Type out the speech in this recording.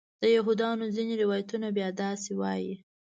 د یهودیانو ځینې روایتونه بیا داسې وایي.